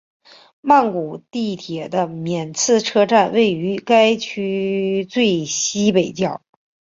曼谷地铁的挽赐车站位于该区最西北角。